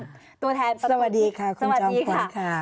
สวัสดีค่ะคุณจอมขวัญ